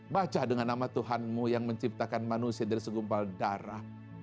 baca dengan nama tuhanmu yang menciptakan manusia dari segumpal darah